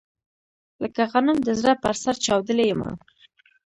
لکه غنم د زړه په سر چاودلی يمه